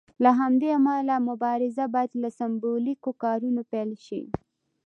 له همدې امله مبارزه باید له سمبولیکو کارونو پیل شي.